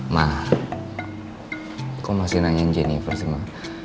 ma kok masih nanya jennifer sama